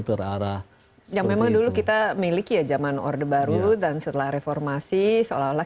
terarah yang memang dulu kita miliki ya zaman orde baru dan setelah reformasi seolah olah